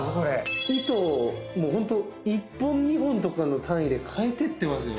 糸もうホント１本２本とかの単位で変えていってますよね？